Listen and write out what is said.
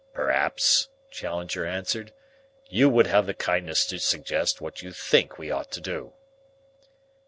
"Perhaps," Challenger answered, "you would have the kindness to suggest what you think we ought to do."